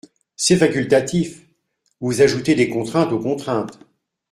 C’est facultatif ! Vous ajoutez des contraintes aux contraintes.